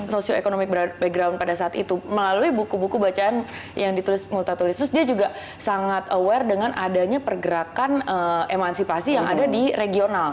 sosioeconomic background pada saat itu melalui buku buku bacaan yang ditulis multa tulis terus dia juga sangat aware dengan adanya pergerakan emansipasi yang ada di regional